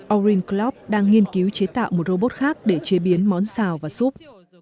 orin club đang nghiên cứu chế tạo một robot khác để chế biến món xào và sup